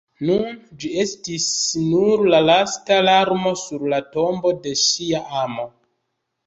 Nun ĝi estis nur la lasta larmo sur la tombo de ŝia amo!